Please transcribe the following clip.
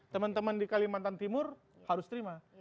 teman teman di kalimantan timur harus terima